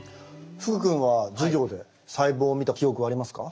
福くんは授業で細胞を見た記憶はありますか？